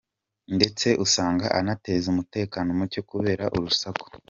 Ndetse usanga anateza umutakano muke kubera urusaku ».